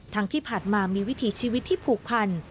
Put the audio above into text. ที่ผ่านมามีวิถีชีวิตที่ผูกพัน